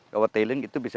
kalau tailing itu bisa